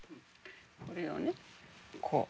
これをねこう。